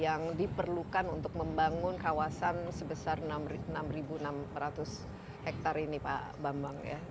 yang diperlukan untuk membangun kawasan sebesar enam enam ratus hektare ini pak bambang ya